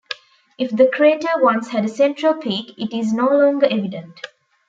If the crater once had a central peak, it is no longer evident.